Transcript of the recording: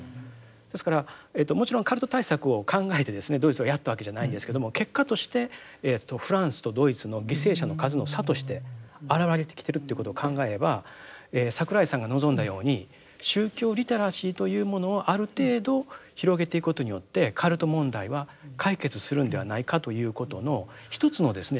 ですからもちろんカルト対策を考えてですねドイツはやったわけじゃないんですけども結果としてフランスとドイツの犠牲者の数の差として表れてきてるということを考えれば櫻井さんが望んだように宗教リテラシーというものをある程度広げていくことによってカルト問題は解決するんではないかということの一つのですね